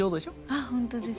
あっ本当ですね。